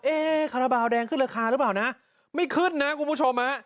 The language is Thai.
คาราบาลแดงขึ้นราคาหรือเปล่านะไม่ขึ้นนะคุณผู้ชมฮะ